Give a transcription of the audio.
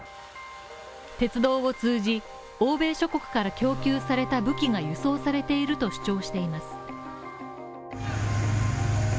鉄道を通じ、欧米諸国から供給された武器が輸送されていると主張しています。